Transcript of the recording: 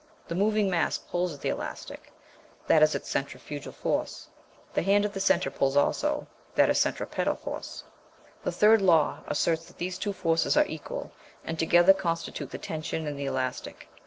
The moving mass pulls at the elastic that is its centrifugal force; the hand at the centre pulls also that is centripetal force. The third law asserts that these two forces are equal, and together constitute the tension in the elastic.